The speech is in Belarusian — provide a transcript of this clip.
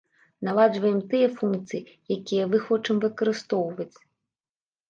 Наладжваем тыя функцыі, якія вы хочам выкарыстоўваць.